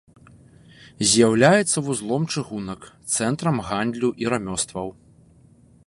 З'яўляецца вузлом чыгунак, цэнтрам гандлю і рамёстваў.